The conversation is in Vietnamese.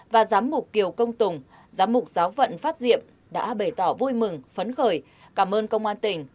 và giám mục kiều công tùng giám mục giáo vận phát diệm đã bày tỏ vui mừng phấn khởi cảm ơn công an tỉnh